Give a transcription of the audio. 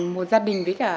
một gia đình với cả